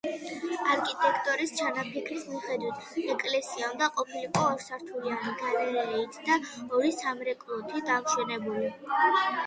არქიტექტორის ჩანაფიქრის მიხედვით ეკლესია უნდა ყოფილიყო ორსართულიანი, გალერეით და ორი სამრეკლოთი დამშვენებული.